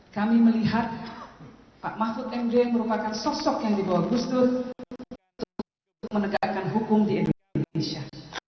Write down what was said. kami melihat pak mahfud md merupakan sosok yang di bawah gus dur untuk menegakkan hukum di indonesia